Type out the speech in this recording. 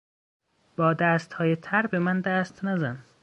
با دستهای تر به من دست نزن!